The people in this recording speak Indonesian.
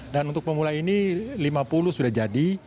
dan untuk pemula ini lima puluh sudah jadi